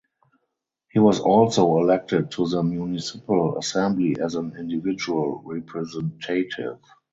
He was also elected to the municipal assembly as an individual representative.